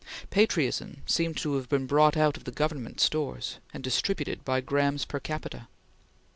Patriotism seemed to have been brought out of the Government stores, and distributed by grammes per capita.